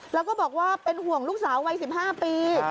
แล้วก็บอกว่าเป็นห่วงลูกสาววัย๑๕ปี